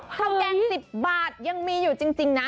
ข้าวแกง๑๐บาทยังมีอยู่จริงนะ